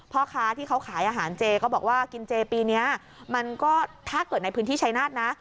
พ่อค้าที่เขาขายอาหารเจก็บอกว่ากินเจปีนี้มันก็ถ้าเกิดในพื้นที่ชายนาฏนะ